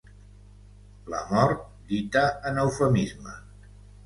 La mort, dita en eufemisme.